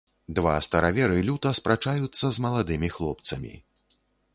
Два стараверы люта спрачаюцца з маладымі хлопцамі.